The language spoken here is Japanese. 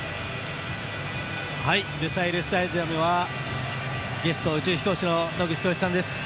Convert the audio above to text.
ルサイルスタジアムにはゲスト、宇宙飛行士の野口聡一さんです。